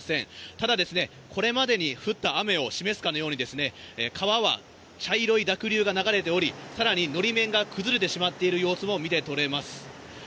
ただ、これまでに降った雨を示すかのように川は茶色い濁流が流れており、更に法面が崩れてしまっている様子も見てとれます。